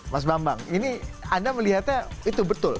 mas bambang ini anda melihatnya itu betul